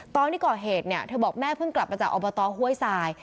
ตอนที่ก่อเหตุเนี่ยเธอบอกแม่เพิ่งกลับมาจากอบตห้วยทราย